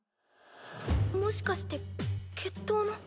もしかして決闘の。